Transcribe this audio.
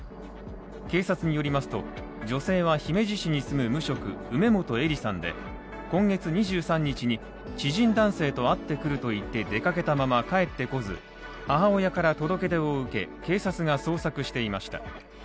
警察によりますと、女性は姫路市に住む無職、梅本依里さんで、今月２３日に、知人男性と会ってくると言って出かけたまま帰ってこず母親から届け出を受け、警察が捜索をしていました。